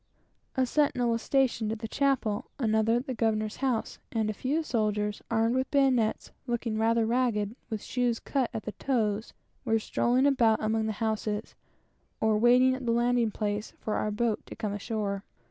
A sentinel was stationed at the chapel, another at the governor's house, and a few soldiers armed with bayonets, looking rather ragged, with shoes out at the toes, were strolling about among the houses, or waiting at the landing place for our boat to come ashore.